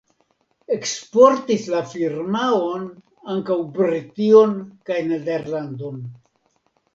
Eksportis la firmaon ankaŭ Brition kaj Nederlandon.